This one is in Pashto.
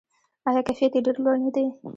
آیا کیفیت یې ډیر لوړ نه دی؟